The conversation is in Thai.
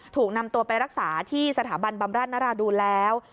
ถูกนำตัวไปรักษาที่สถาบันบำราชนราดูนแล้ว